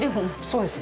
そうです。